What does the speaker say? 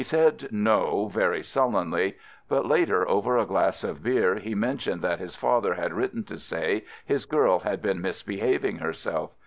He said "no," very sullenly, but later, over a glass of beer, he mentioned that his father had written to say his girl had been misbe having herself.